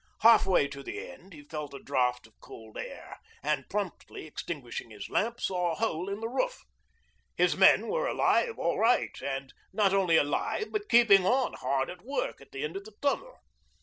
Half way to the end he felt a draught of cold air, and, promptly extinguishing his lamp, saw a hole in the roof. His men were alive all right, and not only alive but keeping on hard at work at the end of the tunnel.